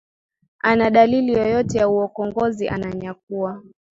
ana dalili yeyote ya uokongozi ananyakua